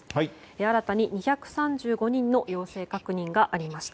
新たに２３５人の陽性確認がありました。